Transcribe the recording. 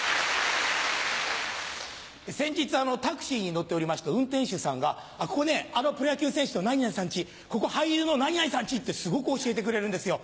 先日タクシーに乗っておりまして運転手さんが「ここねあのプロ野球選手の何々さん家ここ俳優の何々さん家」ってすごく教えてくれるんですよ。